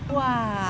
wah gimana tuh